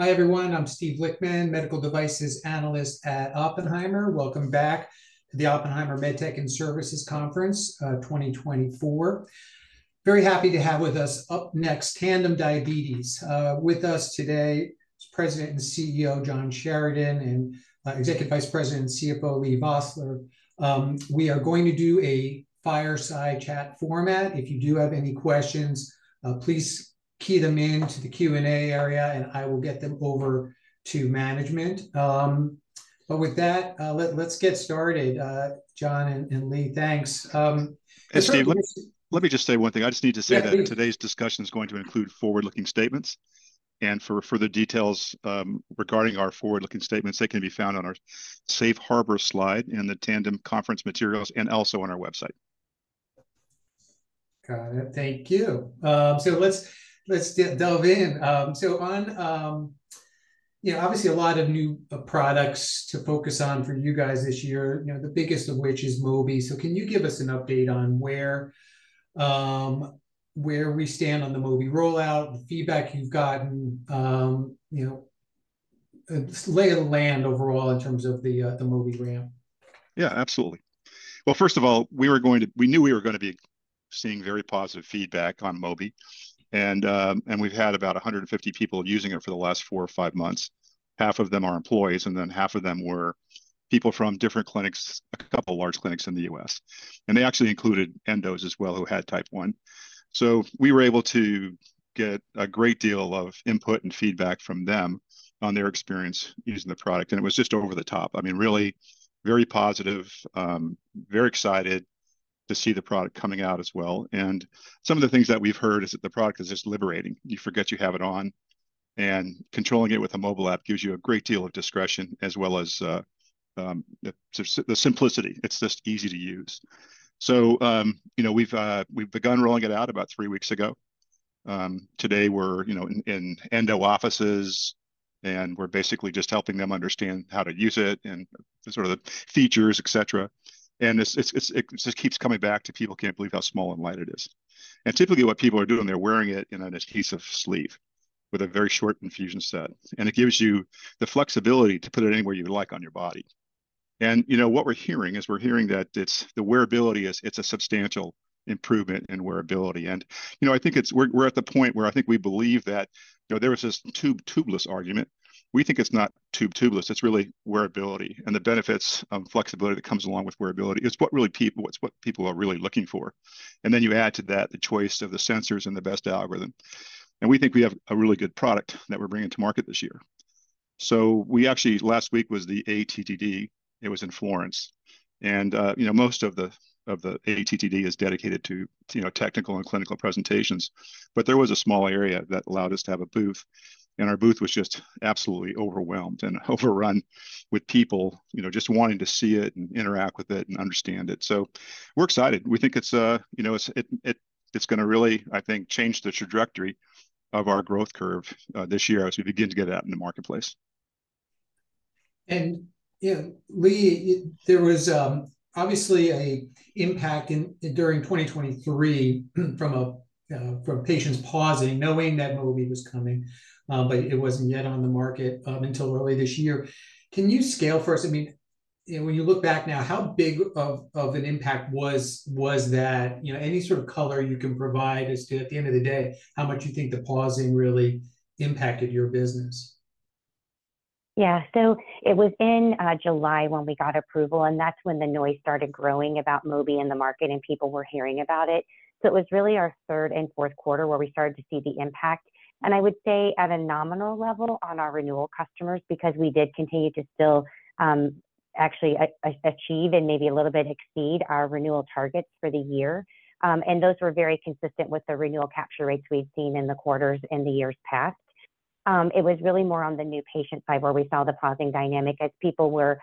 Hi, everyone. I'm Steve Lichtman, Medical Devices Analyst at Oppenheimer. Welcome back to the Oppenheimer MedTech and Services Conference, 2024. Very happy to have with us up next, Tandem Diabetes. With us today is President and CEO, John Sheridan, and Executive Vice President and CFO, Leigh Vosseller. We are going to do a fireside chat format. If you do have any questions, please key them into the Q&A area, and I will get them over to management. But with that, let's get started. John and Leigh, thanks. Hey, Steve, let me, let me just say one thing. Yeah, please. I just need to say that today's discussion is going to include forward-looking statements, and for further details, regarding our forward-looking statements, they can be found on our Safe Harbor slide in the Tandem conference materials and also on our website. Got it. Thank you. So let's delve in. So on, you know, obviously a lot of new products to focus on for you guys this year, you know, the biggest of which is Mobi. So can you give us an update on where we stand on the Mobi rollout, the feedback you've gotten, you know, lay of the land overall in terms of the Mobi ramp? Yeah, absolutely. Well, first of all, we knew we were gonna be seeing very positive feedback on Mobi, and we've had about 150 people using it for the last four or five months. Half of them are employees, and then half of them were people from different clinics, a couple of large clinics in the US. They actually included endos as well, who had Type one. So we were able to get a great deal of input and feedback from them on their experience using the product, and it was just over the top. I mean, really very positive. Very excited to see the product coming out as well. Some of the things that we've heard is that the product is just liberating. You forget you have it on, and controlling it with a mobile app gives you a great deal of discretion, as well as, the simplicity. It's just easy to use. So, you know, we've begun rolling it out about three weeks ago. Today we're, you know, in endo offices, and we're basically just helping them understand how to use it and sort of the features, et cetera. And it's, it just keeps coming back to people can't believe how small and light it is. And typically, what people are doing, they're wearing it in an adhesive sleeve with a very short infusion set, and it gives you the flexibility to put it anywhere you like on your body. And, you know, what we're hearing is, we're hearing that it's, the wearability is, it's a substantial improvement in wearability. You know, I think it's—we're at the point where I think we believe that, you know, there was this tube, tubeless argument. We think it's not tube, tubeless; it's really wearability, and the benefits of flexibility that comes along with wearability. It's what people are really looking for. And then, you add to that the choice of the sensors and the best algorithm, and we think we have a really good product that we're bringing to market this year. So we actually, last week was the ATTD. It was in Florence, and you know, most of the ATTD is dedicated to you know, technical and clinical presentations, but there was a small area that allowed us to have a booth, and our booth was just absolutely overwhelmed and overrun with people, you know, just wanting to see it and interact with it and understand it. So we're excited. We think it's you know, it's gonna really, I think, change the trajectory of our growth curve this year as we begin to get it out in the marketplace. And, you know, Lee, there was obviously an impact in during 2023, from patients pausing, knowing that Mobi was coming, but it wasn't yet on the market until early this year. Can you scale for us? I mean, you know, when you look back now, how big of an impact was that? You know, any sort of color you can provide as to, at the end of the day, how much you think the pausing really impacted your business? Yeah. So it was in July when we got approval, and that's when the noise started growing about Mobi in the market, and people were hearing about it. So it was really our third and fourth quarter where we started to see the impact, and I would say, at a nominal level on our renewal customers, because we did continue to still, actually achieve and maybe a little bit exceed our renewal targets for the year. And those were very consistent with the renewal capture rates we've seen in the quarters in the years past. It was really more on the new patient side where we saw the pausing dynamic as people were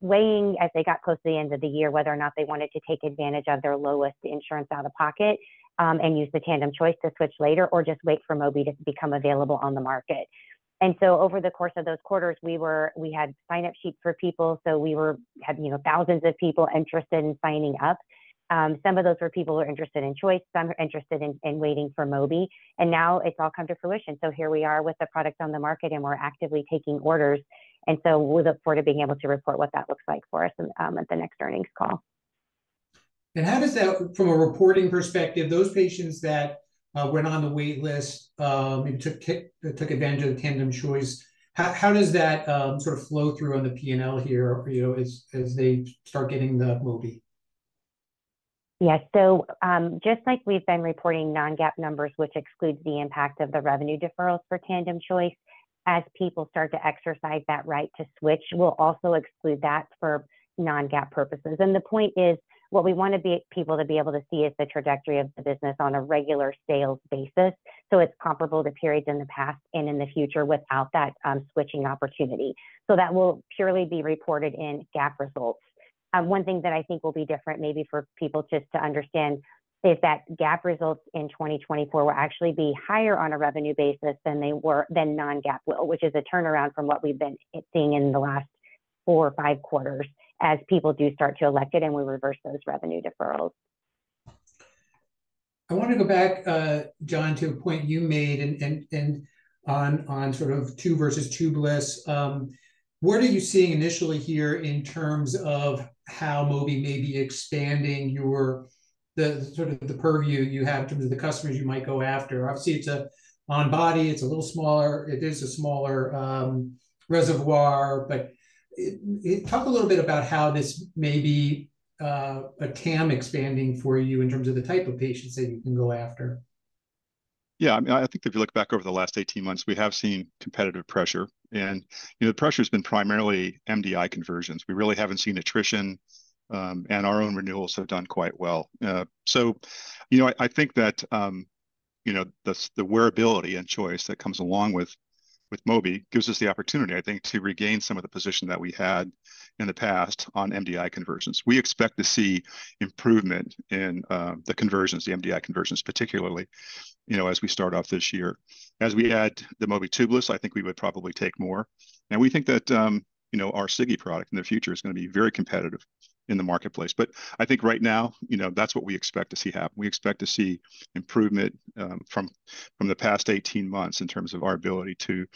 weighing, as they got close to the end of the year, whether or not they wanted to take advantage of their lowest insurance out-of-pocket, and use the Tandem Choice to switch later or just wait for Mobi to become available on the market. So over the course of those quarters, we had sign-up sheets for people, so we were having, you know, thousands of people interested in signing up. Some of those were people who are interested in Choice, some are interested in waiting for Mobi, and now it's all come to fruition. So here we are with the product on the market, and we're actively taking orders, and so we look forward to being able to report what that looks like for us at the next earnings call. And how does that from a reporting perspective, those patients that went on the wait list and took advantage of the Tandem Choice, how does that sort of flow through on the P&L here, you know, as they start getting the Mobi? Yeah. So, just like we've been reporting non-GAAP numbers, which excludes the impact of the revenue deferrals for Tandem Choice, as people start to exercise that right to switch, we'll also exclude that for non-GAAP purposes. And the point is, what we want people to be able to see is the trajectory of the business on a regular sales basis, so it's comparable to periods in the past and in the future without that switching opportunity. So that will purely be reported in GAAP results. One thing that I think will be different, maybe for people just to understand, is that GAAP results in 2024 will actually be higher on a revenue basis than non-GAAP will, which is a turnaround from what we've been seeing in the last four or five quarters as people do start to elect it, and we reverse those revenue deferrals.... I want to go back, John, to a point you made and on sort of tube versus tubeless. What are you seeing initially here in terms of how Mobi may be expanding your, the sort of the purview you have to the customers you might go after? Obviously, it's a on body, it's a little smaller. It is a smaller reservoir, but it, talk a little bit about how this may be a TAM expanding for you in terms of the type of patients that you can go after. Yeah, I mean, I think if you look back over the last 18 months, we have seen competitive pressure, and, you know, the pressure's been primarily MDI conversions. We really haven't seen attrition, and our own renewals have done quite well. So, you know, I think that the wearability and choice that comes along with Mobi gives us the opportunity, I think, to regain some of the position that we had in the past on MDI conversions. We expect to see improvement in the conversions, the MDI conversions, particularly, you know, as we start off this year. As we add the Mobi tubeless, I think we would probably take more. And we think that, you know, our Sigi product in the future is going to be very competitive in the marketplace. I think right now, you know, that's what we expect to see happen. We expect to see improvement from the past 18 months in terms of our ability to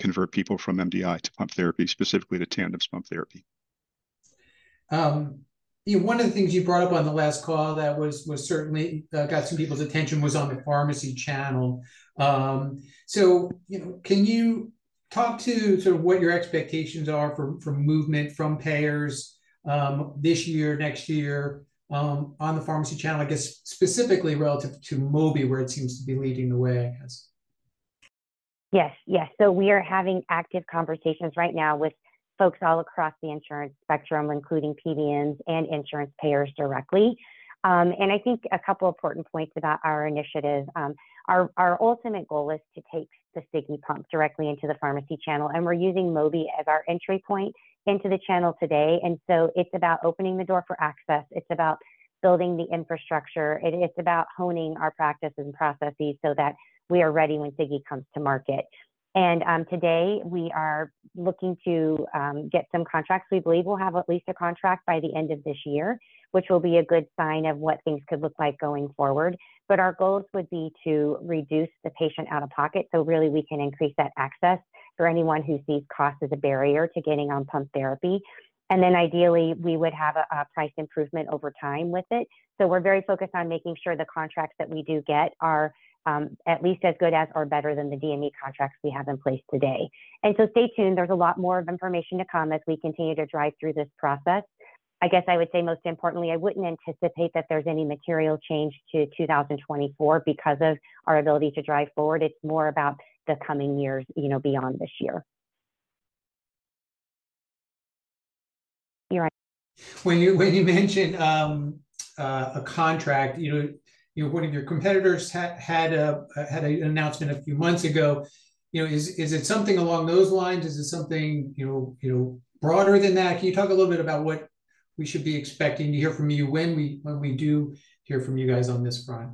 convert people from MDI to pump therapy, specifically to Tandem's pump therapy. One of the things you brought up on the last call that certainly got some people's attention was on the pharmacy channel. So, you know, can you talk to sort of what your expectations are for movement from payers this year, next year, on the pharmacy channel, I guess specifically relative to Mobi, where it seems to be leading the way, I guess? Yes, yes. So we are having active conversations right now with folks all across the insurance spectrum, including PBMs and insurance payers directly. And I think a couple of important points about our initiative. Our ultimate goal is to take the Sigi pump directly into the pharmacy channel, and we're using Mobi as our entry point into the channel today, and so it's about opening the door for access. It's about building the infrastructure. It's about honing our practices and processes so that we are ready when Sigi comes to market. And today, we are looking to get some contracts. We believe we'll have at least a contract by the end of this year, which will be a good sign of what things could look like going forward. But our goals would be to reduce the patient out of pocket, so really we can increase that access for anyone who sees cost as a barrier to getting on pump therapy. And then ideally, we would have a price improvement over time with it. So we're very focused on making sure the contracts that we do get are at least as good as or better than the DME contracts we have in place today. And so stay tuned. There's a lot more of information to come as we continue to drive through this process. I guess I would say most importantly, I wouldn't anticipate that there's any material change to 2024 because of our ability to drive forward. It's more about the coming years, you know, beyond this year. You're on- When you mentioned a contract, you know, one of your competitors had an announcement a few months ago. You know, is it something along those lines? Is it something, you know, broader than that? Can you talk a little bit about what we should be expecting to hear from you when we do hear from you guys on this front?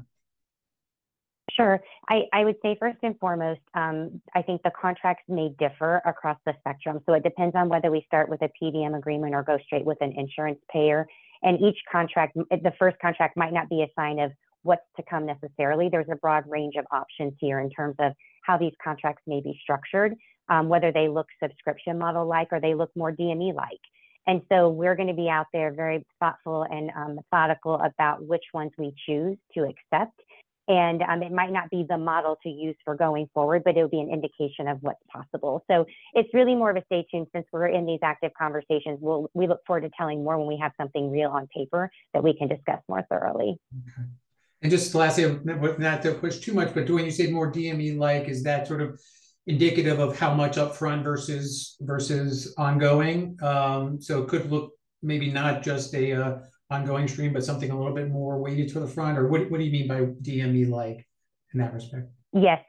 Sure. I would say, first and foremost, I think the contracts may differ across the spectrum, so it depends on whether we start with a PBM agreement or go straight with an insurance payer. And each contract, the first contract might not be a sign of what's to come necessarily. There's a broad range of options here in terms of how these contracts may be structured, whether they look subscription model-like, or they look more DME-like. And so we're gonna be out there very thoughtful and methodical about which ones we choose to accept. And it might not be the model to use for going forward, but it will be an indication of what's possible. So it's really more of a stay tuned since we're in these active conversations. We look forward to telling more when we have something real on paper that we can discuss more thoroughly. Okay. And just lastly, not to push too much, but when you say more DME-like, is that sort of indicative of how much upfront versus ongoing? So it could look maybe not just an ongoing stream, but something a little bit more weighted to the front, or what do you mean by DME-like in that respect? Yes,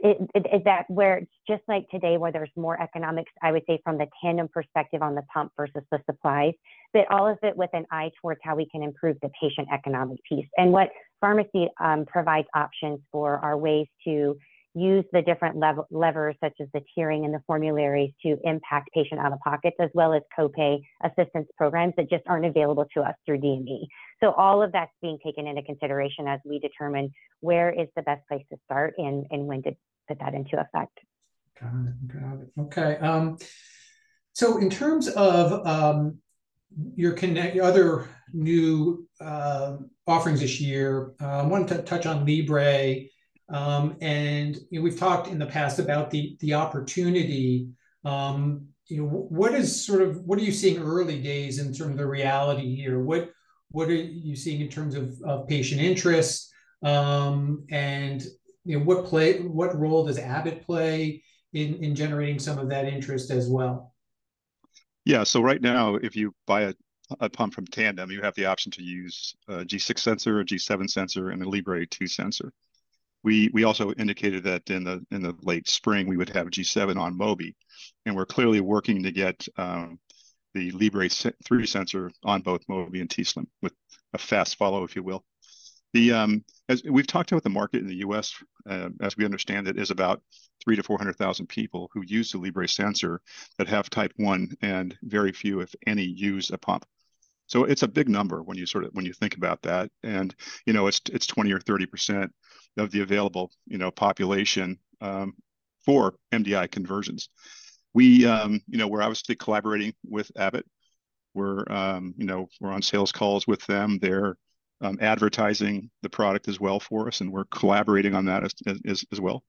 that's where, just like today, where there's more economics, I would say from the Tandem perspective on the pump versus the supplies, but all of it with an eye towards how we can improve the patient economic piece. And what pharmacy provides options for are ways to use the different levers, such as the tiering and the formularies, to impact patient out-of-pockets, as well as co-pay assistance programs that just aren't available to us through DME. So all of that's being taken into consideration as we determine where is the best place to start and when to put that into effect. Got it. Got it. Okay, so in terms of your other new offerings this year, I wanted to touch on Libre. And, you know, we've talked in the past about the opportunity. You know, what are you seeing early days in terms of the reality here? What are you seeing in terms of patient interest? And, you know, what role does Abbott play in generating some of that interest as well? Yeah. So right now, if you buy a pump from Tandem, you have the option to use a G6 sensor, a G7 sensor, and a Libre 2 sensor. We also indicated that in the late spring, we would have a G7 on Mobi, and we're clearly working to get the Libre 3 sensor on both Mobi and t:slim with a fast follow, if you will. As we've talked about the market in the U.S., as we understand it, is about 300,000-400,000 people who use the Libre sensor that have Type one, and very few, if any, use a pump. So it's a big number when you sort of, when you think about that, and, you know, it's 20% or 30% of the available, you know, population for MDI conversions. We, you know, we're obviously collaborating with Abbott. We're, you know, we're on sales calls with them. They're advertising the product as well for us, and we're collaborating on that as well.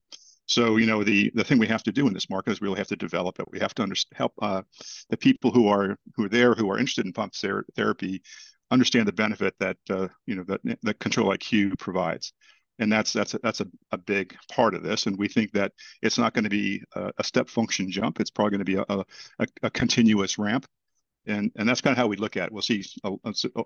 So, you know, the thing we have to do in this market is we really have to develop it. We have to help the people who are there, who are interested in pump therapy, understand the benefit that, you know, that Control-IQ provides. And that's a big part of this, and we think that it's not gonna be a step function jump. It's probably gonna be a continuous ramp, and that's kind of how we look at it. We'll see,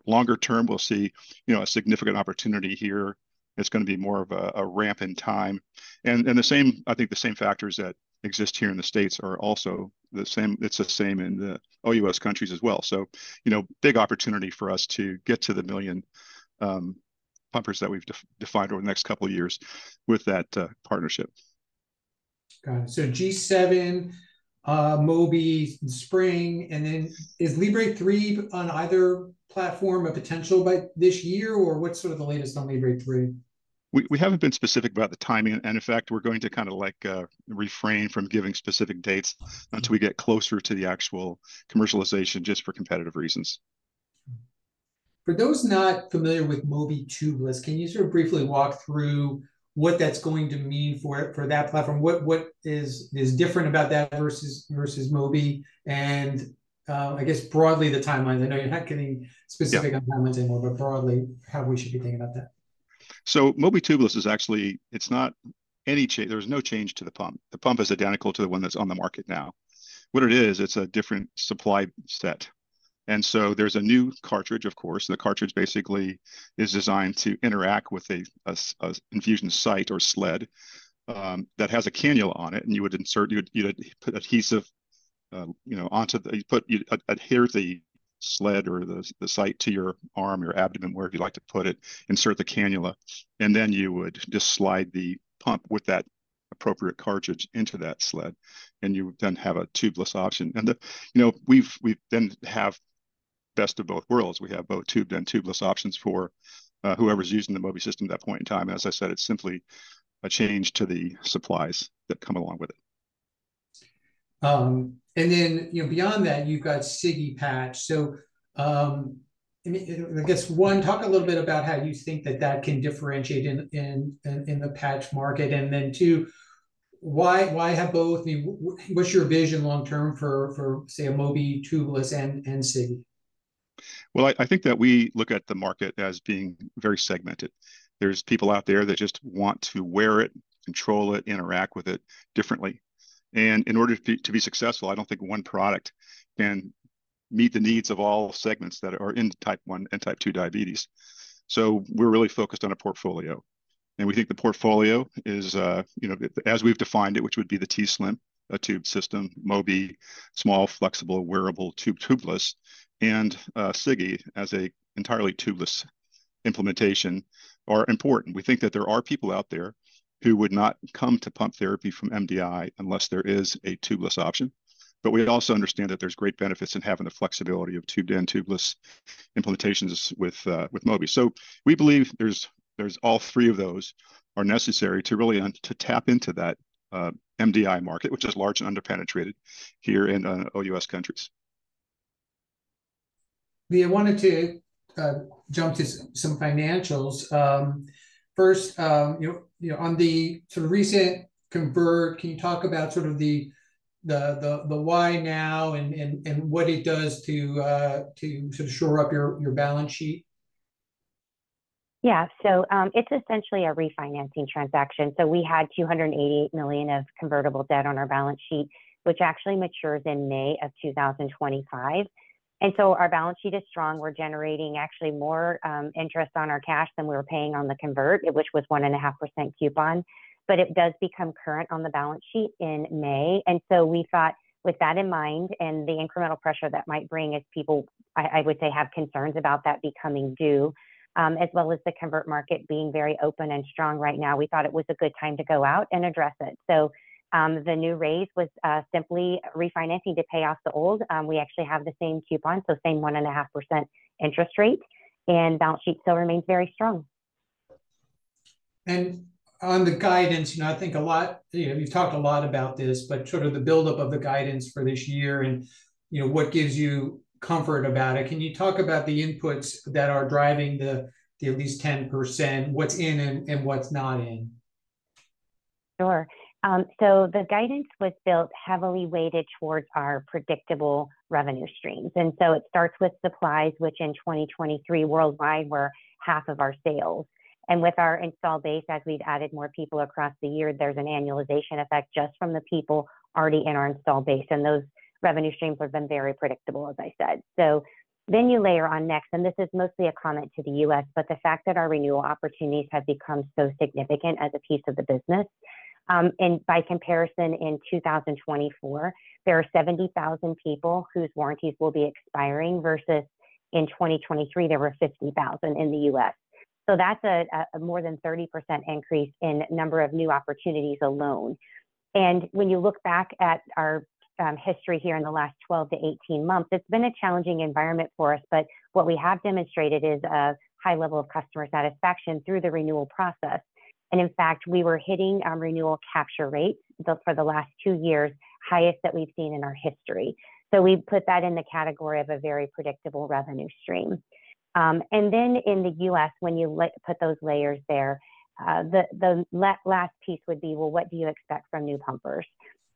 longer term, we'll see, you know, a significant opportunity here. It's gonna be more of a ramp in time. And the same, I think the same factors that exist here in the States are also the same. It's the same in the OUS countries as well. So, you know, big opportunity for us to get to the 1 million pumpers that we've defined over the next couple of years with that partnership. Got it. So G7, Mobi in spring, and then is Libre 3 on either platform a potential by this year, or what's sort of the latest on Libre 3? We haven't been specific about the timing, and in fact, we're going to kind of like refrain from giving specific dates until we get closer to the actual commercialization, just for competitive reasons. For those not familiar with Mobi Tubeless, can you sort of briefly walk through what that's going to mean for that platform? What is different about that versus Mobi, and I guess broadly, the timeline. I know you're not giving specific- Yeah... on timelines anymore, but broadly, how we should be thinking about that. So Mobi Tubeless is actually. It's not any change to the pump. The pump is identical to the one that's on the market now. What it is, it's a different supply set, and so there's a new cartridge, of course. The cartridge basically is designed to interact with an infusion site or sled that has a cannula on it, and you would insert. You would, you know, put adhesive, you know, onto the. You adhere the sled or the site to your arm, your abdomen, wherever you like to put it, insert the cannula, and then you would just slide the pump with that appropriate cartridge into that sled, and you would then have a tubeless option. And you know, we then have best of both worlds. We have both tubed and tubeless options for whoever's using the Mobi system at that point in time, and as I said, it's simply a change to the supplies that come along with it. And then, you know, beyond that, you've got Sigi patch. So, I mean, I guess, one, talk a little bit about how you think that can differentiate in the patch market, and then two, why have both? I mean, what's your vision long term for, say, a Mobi Tubeless and Sigi? Well, I, I think that we look at the market as being very segmented. There's people out there that just want to wear it, control it, interact with it differently. And in order to be, to be successful, I don't think one product can meet the needs of all segments that are in Type one and Type two diabetes. So we're really focused on a portfolio, and we think the portfolio is, you know, as we've defined it, which would be the t:slim, a tubed system, Mobi, small, flexible, wearable, tube, tubeless, and, Sigi, as a entirely tubeless implementation, are important. We think that there are people out there who would not come to pump therapy from MDI unless there is a tubeless option. But we also understand that there's great benefits in having the flexibility of tubed and tubeless implementations with, with Mobi. So we believe there's all three of those are necessary to really to tap into that MDI market, which is large and underpenetrated here in OUS countries. Leigh, I wanted to jump to some financials. First, you know, you know, on the sort of recent convert, can you talk about sort of the why now and what it does to sort of shore up your balance sheet? Yeah. So, it's essentially a refinancing transaction. So we had $280 million of convertible debt on our balance sheet, which actually matures in May 2025, and so our balance sheet is strong. We're generating actually more interest on our cash than we were paying on the convert, which was 1.5% coupon, but it does become current on the balance sheet in May. And so we thought, with that in mind, and the incremental pressure that might bring as people, I, I would say, have concerns about that becoming due, as well as the convert market being very open and strong right now, we thought it was a good time to go out and address it. So, the new raise was simply refinancing to pay off the old. We actually have the same coupon, so same 1.5% interest rate, and balance sheet still remains very strong. On the guidance, and I think a lot, you know, you've talked a lot about this, but sort of the build-up of the guidance for this year and, you know, what gives you comfort about it. Can you talk about the inputs that are driving the, the at least 10%, what's in and, and what's not in? Sure. So the guidance was built heavily weighted towards our predictable revenue streams. And so it starts with supplies, which in 2023 worldwide, were half of our sales. And with our installed base, as we've added more people across the year, there's an annualization effect just from the people already in our installed base, and those revenue streams have been very predictable, as I said. So then you layer on next, and this is mostly a comment to the U.S., but the fact that our renewal opportunities have become so significant as a piece of the business, and by comparison, in 2024, there are 70,000 people whose warranties will be expiring, versus in 2023, there were 50,000 in the U.S. So that's a more than 30% increase in number of new opportunities alone. When you look back at our history here in the last 12-18 months, it's been a challenging environment for us, but what we have demonstrated is a high level of customer satisfaction through the renewal process. In fact, we were hitting our renewal capture rates for the last two years, highest that we've seen in our history. We've put that in the category of a very predictable revenue stream. And then in the U.S., when you put those layers there, the last piece would be, well, what do you expect from new pumpers?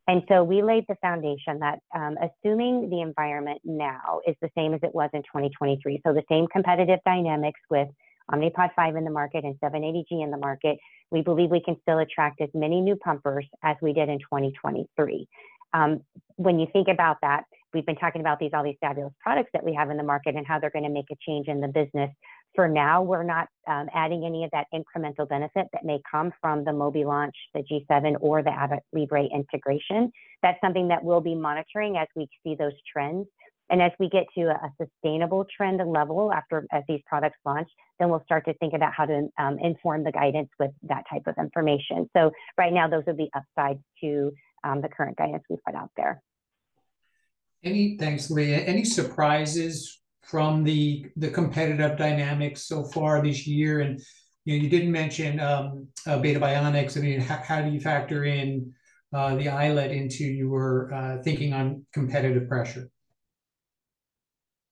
And so we laid the foundation that, assuming the environment now is the same as it was in 2023, so the same competitive dynamics with Omnipod 5 in the market and 780G in the market, we believe we can still attract as many new pumpers as we did in 2023. When you think about that, we've been talking about these, all these fabulous products that we have in the market and how they're gonna make a change in the business. For now, we're not adding any of that incremental benefit that may come from the Mobi launch, the G7, or the Abbott Libre integration. That's something that we'll be monitoring as we see those trends. As we get to a sustainable trend and level after as these products launch, then we'll start to think about how to inform the guidance with that type of information. So right now, those are the upsides to the current guidance we've put out there. Thanks, Leigh. Any surprises from the competitive dynamics so far this year? And, you know, you didn't mention Beta Bionics. I mean, how do you factor in the iLet into your thinking on competitive pressure?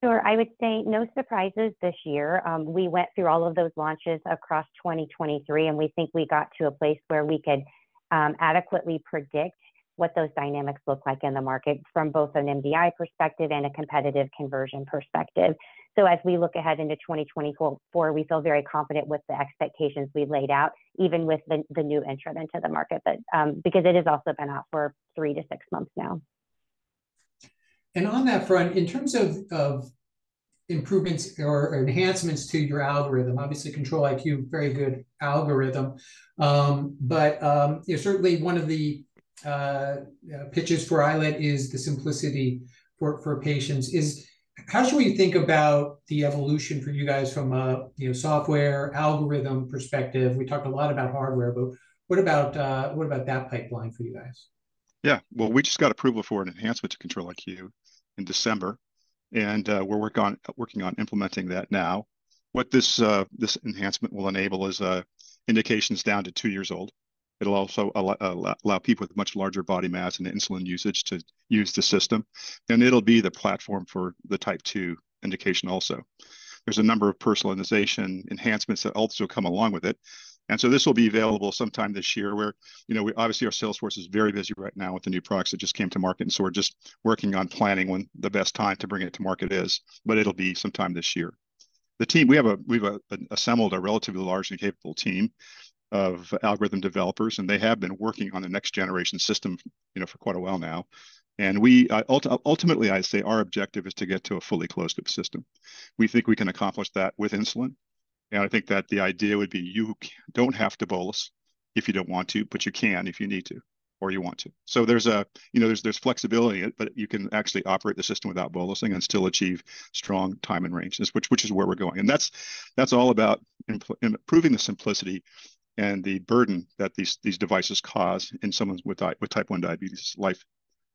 Sure, I would say no surprises this year. We went through all of those launches across 2023, and we think we got to a place where we could adequately predict what those dynamics look like in the market from both an MDI perspective and a competitive conversion perspective. So as we look ahead into 2024, we feel very confident with the expectations we've laid out, even with the new entrant into the market. But because it has also been out for three-six months now. On that front, in terms of improvements or enhancements to your algorithm, obviously, Control-IQ, very good algorithm. But you know, certainly one of the pitches for iLet is the simplicity for patients. How should we think about the evolution for you guys from a, you know, software algorithm perspective? We talked a lot about hardware, but what about, what about that pipeline for you guys? Yeah. Well, we just got approval for an enhancement to Control-IQ in December, and we're working on implementing that now. What this enhancement will enable is indications down to two years old. It'll also allow people with much larger body mass and insulin usage to use the system, and it'll be the platform for the Type two indication also. There's a number of personalization enhancements that also come along with it, and so this will be available sometime this year, where you know, obviously, our sales force is very busy right now with the new products that just came to market, and so we're just working on planning when the best time to bring it to market is, but it'll be sometime this year. The team, we've assembled a relatively large and capable team of algorithm developers, and they have been working on the next generation system, you know, for quite a while now. And ultimately, I'd say our objective is to get to a fully closed loop system. We think we can accomplish that with insulin, and I think that the idea would be you don't have to bolus if you don't want to, but you can if you need to or you want to. So there's a, you know, there's flexibility, but you can actually operate the system without bolusing and still achieve strong time and ranges, which is where we're going. And that's all about improving the simplicity and the burden that these devices cause in someone with Type one Diabetes life.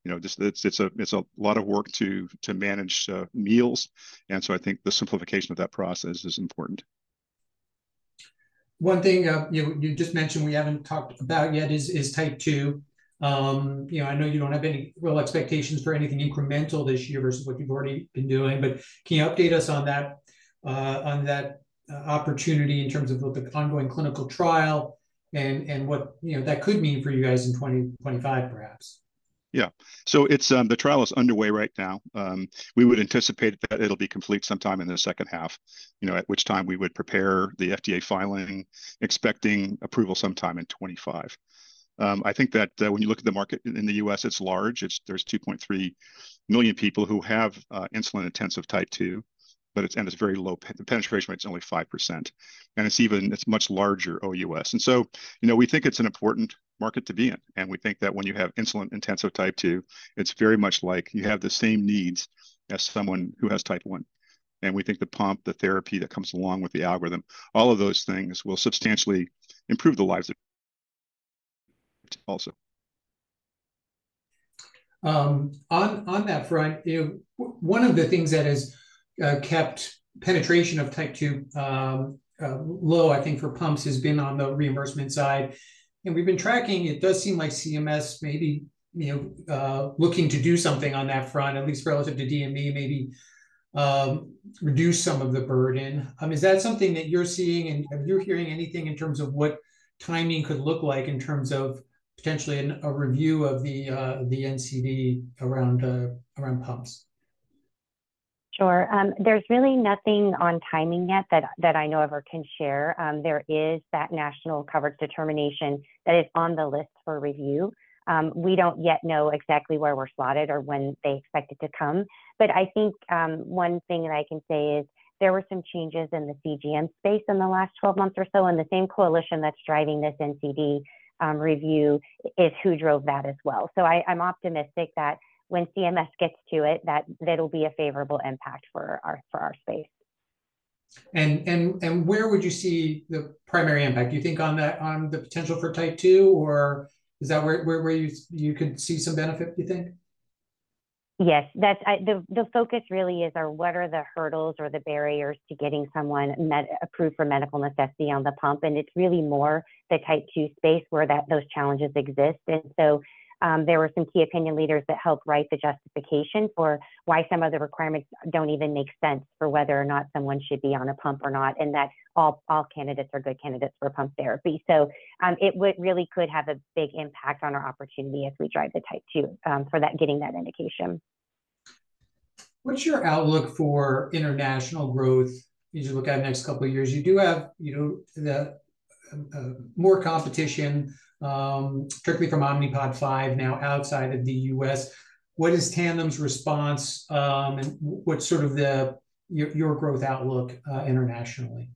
You know, just, it's a lot of work to manage meals, and so I think the simplification of that process is important. One thing, you just mentioned we haven't talked about yet is Type two. You know, I know you don't have any real expectations for anything incremental this year versus what you've already been doing, but can you update us on that, on that opportunity in terms of both the ongoing clinical trial and what, you know, that could mean for you guys in 2025, perhaps? Yeah. So it's the trial is underway right now. We would anticipate that it'll be complete sometime in the second half, you know, at which time we would prepare the FDA filing, expecting approval sometime in 2025. I think that when you look at the market in the U.S., it's large. There's 2.3 million people who have insulin-intensive Type two, but it's and it's very low penetration rate is only 5%, and it's much larger OUS. And so, you know, we think it's an important market to be in, and we think that when you have insulin-intensive Type two, it's very much like you have the same needs as someone who has Type one. And we think the pump, the therapy that comes along with the algorithm, all of those things will substantially improve the lives of also. On that front, you know, one of the things that has kept penetration of Type two low, I think, for pumps, has been on the reimbursement side. We've been tracking, it does seem like CMS may be, you know, looking to do something on that front, at least relative to DME, maybe reduce some of the burden. Is that something that you're seeing, and have you hearing anything in terms of what timing could look like in terms of potentially a review of the NCD around pumps? Sure. There's really nothing on timing yet that I know of or can share. There is that national coverage determination that is on the list for review. We don't yet know exactly where we're slotted or when they expect it to come, but I think, one thing that I can say is there were some changes in the CGM space in the last 12 months or so, and the same coalition that's driving this NCD review is who drove that as well. So, I'm optimistic that when CMS gets to it, that it'll be a favorable impact for our space.... And where would you see the primary impact? Do you think on the potential for Type two, or is that where you could see some benefit, do you think? Yes, that's the focus really is what are the hurdles or the barriers to getting someone medically approved for medical necessity on the pump? And it's really more the Type two space where those challenges exist. And so, there were some key opinion leaders that helped write the justification for why some of the requirements don't even make sense for whether or not someone should be on a pump or not, and that all candidates are good candidates for pump therapy. So, it would really could have a big impact on our opportunity as we drive the Type two for that, getting that indication. What's your outlook for international growth as you look at the next couple of years? You do have, you know, more competition strictly from Omnipod 5 now outside of the US. What is Tandem's response, and what's sort of your growth outlook internationally?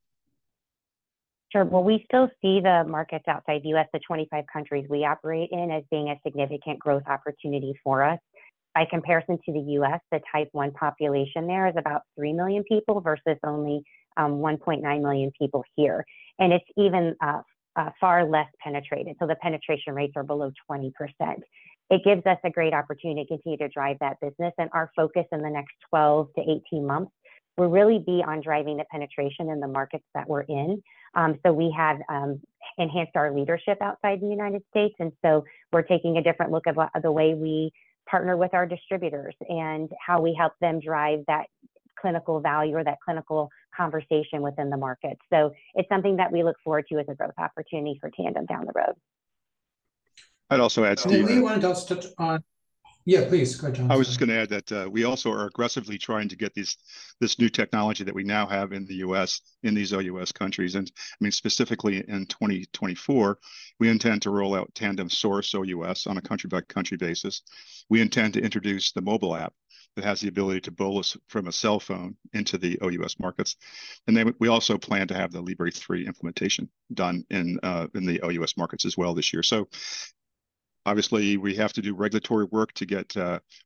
Sure. Well, we still see the markets outside the US, the 25 countries we operate in, as being a significant growth opportunity for us. By comparison to the US, the Type one population there is about 3 million people versus only 1.9 million people here, and it's even far less penetrated, so the penetration rates are below 20%. It gives us a great opportunity to continue to drive that business, and our focus in the next 12-18 months will really be on driving the penetration in the markets that we're in. So we have enhanced our leadership outside the United States, and so we're taking a different look at the way we partner with our distributors and how we help them drive that clinical value or that clinical conversation within the market. It's something that we look forward to as a growth opportunity for Tandem down the road. I'd also add, Steve- Leigh, you wanted to touch on... Yeah, please go, John. I was just going to add that, we also are aggressively trying to get this, this new technology that we now have in the U.S., in these OUS countries. And I mean, specifically in 2024, we intend to roll out Tandem Source OUS on a country-by-country basis. We intend to introduce the mobile app that has the ability to bolus from a cell phone into the OUS markets. And then we, we also plan to have the Libre 3 implementation done in, in the OUS markets as well this year. So obviously, we have to do regulatory work to get,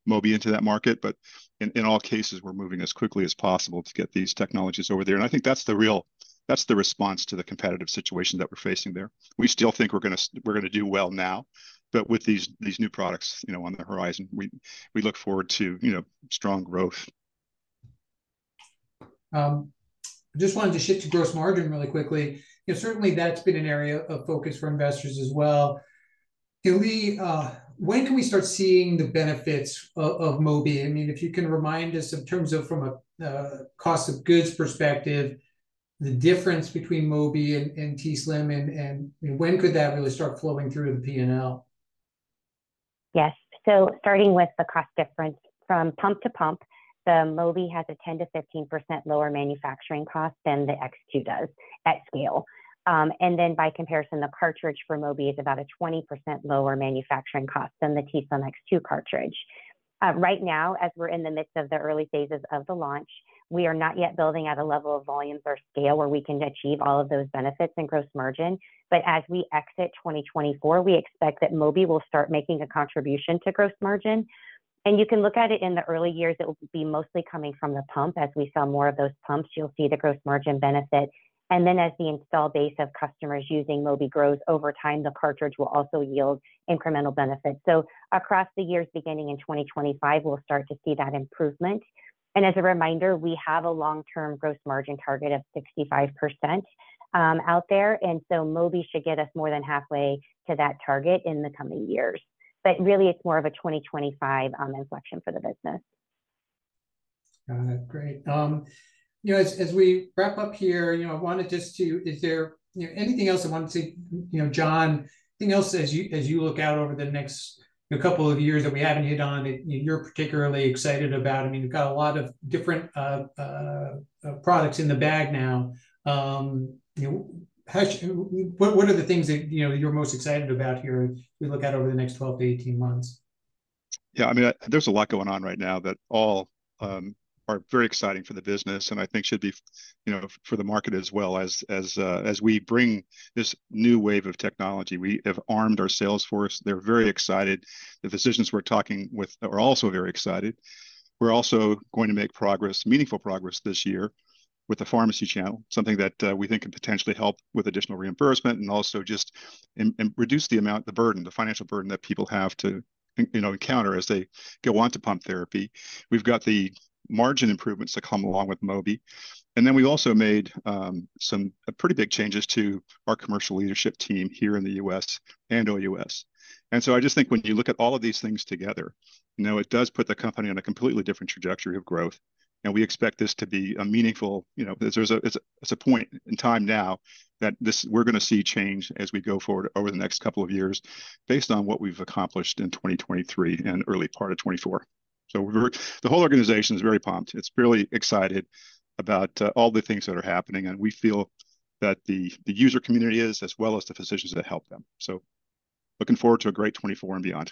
Mobi into that market, but in, in all cases, we're moving as quickly as possible to get these technologies over there. And I think that's the real, that's the response to the competitive situation that we're facing there. We still think we're gonna we're gonna do well now, but with these, these new products, you know, on the horizon, we, we look forward to, you know, strong growth. Just wanted to shift to gross margin really quickly. You know, certainly, that's been an area of focus for investors as well. Do we, when can we start seeing the benefits of Mobi? I mean, if you can remind us in terms of from a cost of goods perspective, the difference between Mobi and t:slim, and when could that really start flowing through the P&L? Yes. So starting with the cost difference from pump to pump, the Mobi has a 10%-15% lower manufacturing cost than the X2 does at scale. And then by comparison, the cartridge for Mobi is about a 20% lower manufacturing cost than the t:slim X2 cartridge. Right now, as we're in the midst of the early phases of the launch, we are not yet building at a level of volumes or scale where we can achieve all of those benefits in gross margin. But as we exit 2024, we expect that Mobi will start making a contribution to gross margin. And you can look at it in the early years, it will be mostly coming from the pump. As we sell more of those pumps, you'll see the gross margin benefit. Then, as the install base of customers using Mobi grows over time, the cartridge will also yield incremental benefits. Across the years, beginning in 2025, we'll start to see that improvement. As a reminder, we have a long-term gross margin target of 65%, out there, and so Mobi should get us more than halfway to that target in the coming years. Really, it's more of a 2025 inflection for the business. Great. You know, as we wrap up here, you know, I wanted just to... Is there, you know, anything else I want to see, you know, John, anything else as you look out over the next couple of years that we haven't hit on that you're particularly excited about? I mean, you've got a lot of different products in the bag now. You know, what are the things that, you know, you're most excited about here as we look out over the next 12-18 months? Yeah, I mean, there's a lot going on right now that all are very exciting for the business and I think should be, you know, for the market as well as, as, as we bring this new wave of technology. We have armed our sales force. They're very excited. The physicians we're talking with are also very excited. We're also going to make progress, meaningful progress this year with the pharmacy channel, something that we think could potentially help with additional reimbursement and also just, and, and reduce the amount, the burden, the financial burden that people have to, you know, encounter as they go on to pump therapy. We've got the margin improvements that come along with Mobi, and then we also made some pretty big changes to our commercial leadership team here in the US and OUS. And so I just think when you look at all of these things together, you know, it does put the company on a completely different trajectory of growth, and we expect this to be a meaningful... You know, there's a, it's a point in time now that this, we're going to see change as we go forward over the next couple of years based on what we've accomplished in 2023 and early part of 2024. So we're... The whole organization is very pumped. It's really excited about all the things that are happening, and we feel that the user community is, as well as the physicians that help them. So looking forward to a great 2024 and beyond.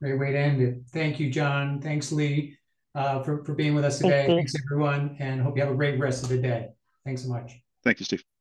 Great way to end it. Thank you, John. Thanks, Lee, for being with us today. Thanks. Thanks, everyone, and hope you have a great rest of the day. Thanks so much. Thank you, Steve.